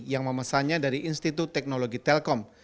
yang memesannya dari institut teknologi telkom